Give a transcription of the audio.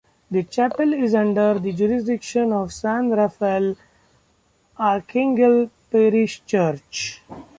The chapel is under the jurisdiction of San Rafael Archangel Parish Church.